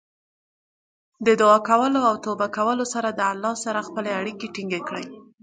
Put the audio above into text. د دعا کولو او توبه کولو سره د الله سره خپلې اړیکې ټینګې کړئ.